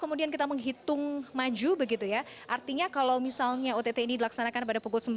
kemudian kita menghitung maju begitu ya artinya kalau misalnya ott ini dilaksanakan pada pukul sembilan